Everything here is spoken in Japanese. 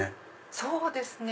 そうですね。